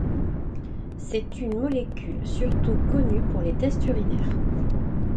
C'est une molécule surtout connue pour les tests urinaires.